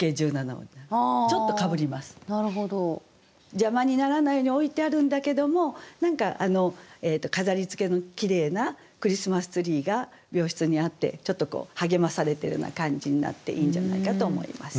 邪魔にならないように置いてあるんだけども何か飾りつけのきれいなクリスマスツリーが病室にあってちょっとこう励まされてるような感じになっていいんじゃないかと思います。